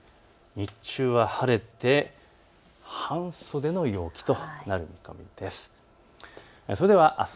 日中は晴れて半袖の陽気となりそうです。